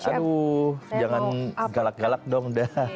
aduh jangan galak galak dong